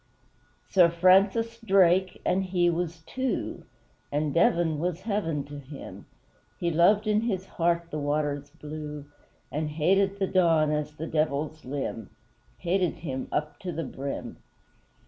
Sir FRANCIS DRAKE, and he was TWO And Devon was heaven to him, He loved in his heart the waters blue And hated the Don as the Devil's limb Hated him up to the brim!